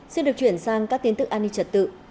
xin được chuyển sang các tin tức an ninh trật tự